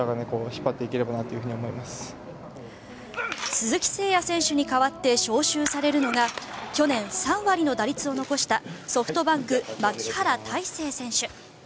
鈴木誠也選手に代わって招集されるのが去年３割の打率を残したソフトバンク、牧原大成選手。